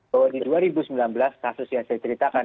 bahwa di dua ribu sembilan belas kasus yang saya ceritakan